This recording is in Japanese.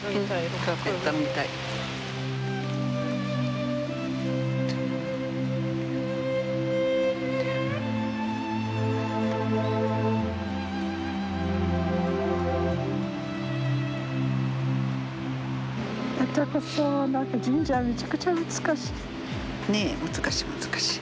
ねえ難しい難しい。